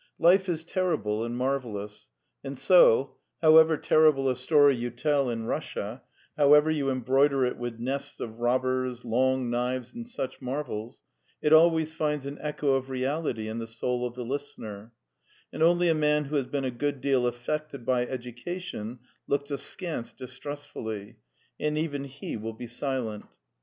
Life is terrible and marvellous, and so, however terrible a story you tell in Russia, however you embroider it with nests of robbers, long knives and such marvels, it always finds an echo of reality in the soul of the listener, and only a man who has been a good deal affected by education looks askance distrustfully, and even he will be silent.